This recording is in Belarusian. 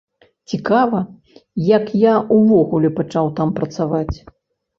Цікава, як я ўвогуле пачаў там працаваць.